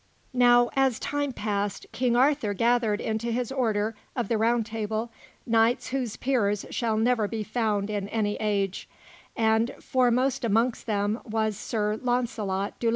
Now, as time passed, King Arthur gathered into his Order of the Round Table knights whose peers shall never be found in any age; and foremost amongst them all was Sir Launcelot du Lac.